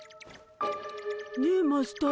ねえマスター。